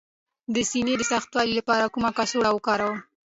د سینې د سختوالي لپاره کومه کڅوړه وکاروم؟